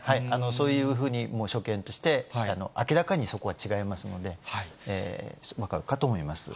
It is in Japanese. そういうふうに所見として、明らかにそこは違いますので、分かるかと思います。